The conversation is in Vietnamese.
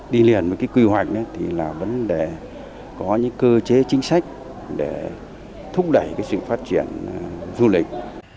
đi liền với cái quy hoạch thì là vấn đề có những cơ chế chính sách để thúc đẩy sự phát triển du lịch